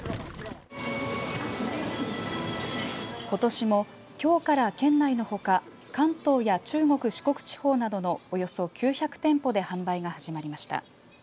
ことしも、きょうから県内のほか関東や中国、四国地方などのおよそ９００店舗で販売が始まりました。